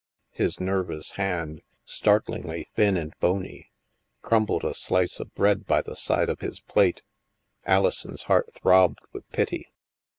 His nervous hand, startlingly thin and bony, crumbled a slice of bread by the side of his plate. Alison's heart throbbed with pity.